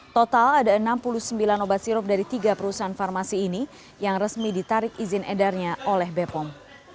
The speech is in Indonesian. total ada enam puluh sembilan obat sirup dari tiga perusahaan farmasi ini yang resmi ditarik izin edarnya oleh bepom